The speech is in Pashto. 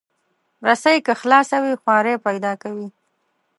رسۍ که خلاصه وي، خواری پیدا کوي.